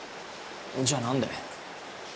じゃあ何で。